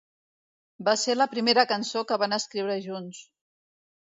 Va ser la primera cançó que van escriure junts.